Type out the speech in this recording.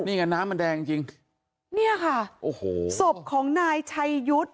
นี่ไงน้ำมันแดงจริงจริงเนี่ยค่ะโอ้โหศพของนายชัยยุทธ์